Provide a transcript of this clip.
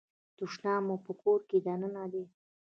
تشناب مو په کور کې دننه دی؟